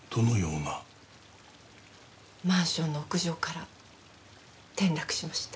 マンションの屋上から転落しました。